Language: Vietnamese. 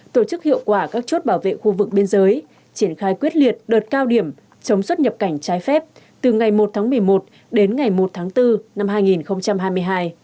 tổ chức hiệu quả các chốt bảo vệ khu vực biên giới triển khai quyết liệt đợt cao điểm chống xuất nhập cảnh trái phép từ ngày một tháng một mươi một đến ngày một tháng bốn năm hai nghìn hai mươi hai